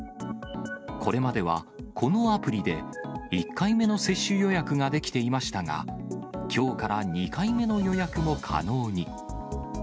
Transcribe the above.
これまでは、このアプリで１回目の接種予約ができていましたが、きょうから２回目の予約も可能に。